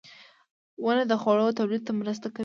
• ونه د خوړو تولید ته مرسته کوي.